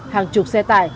hàng chục xe tải